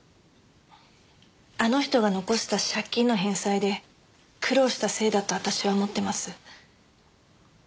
あの人が残した借金の返済で苦労したせいだと私は思ってます。